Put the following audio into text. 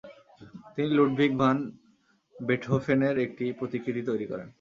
তিনি Ludwig van বেটহোফেনের একটি প্রতিকৃতি তৈরী করেন।